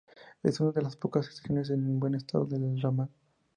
Es una de las pocas estaciones en buen estado del ramal.